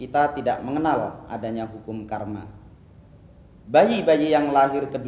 tidak sudah semakin k household